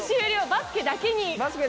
バスケだけに。